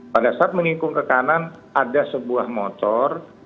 pada saat mengikung ke kanan ada sebuah motor